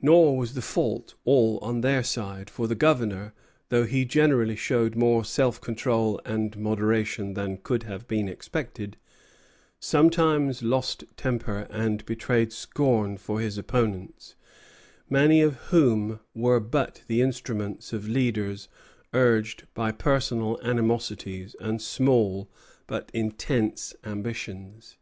Nor was the fault all on their side; for the Governor, though he generally showed more self control and moderation than could have been expected, sometimes lost temper and betrayed scorn for his opponents, many of whom were but the instruments of leaders urged by personal animosities and small but intense ambitions.